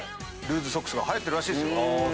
ルーズソックスはやってるらしいです。